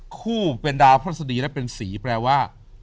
คู่เป็นดาวพระศดีและเป็นสีแปลว่า